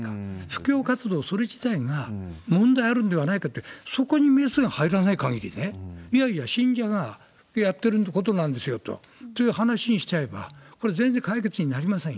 布教活動それ自体が問題あるんではないかと、そこにメスが入らない限り、いやいや、信者がやってることなんですよという話にしちゃえば、これ、全然そうですね。